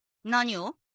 何を？